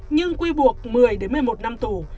nhưng quy buộc một mươi một mươi một năm tù